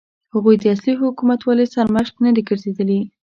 هغوی د اصلي حکومتولۍ سرمشق نه دي ګرځېدلي.